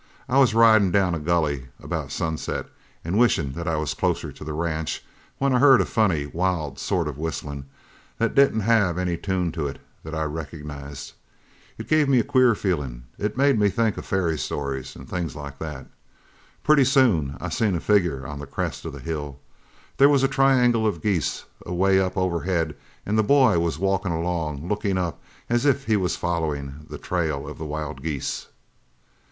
I was ridin' down a gulley about sunset and wishin' that I was closer to the ranch when I heard a funny, wild sort of whistlin' that didn't have any tune to it that I recognized. It gave me a queer feelin'. It made me think of fairy stories an' things like that! Pretty soon I seen a figure on the crest of the hill. There was a triangle of geese away up overhead an' the boy was walkin' along lookin' up as if he was followin' the trail of the wild geese.